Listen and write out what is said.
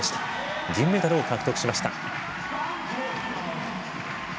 銀メダルを獲得しました。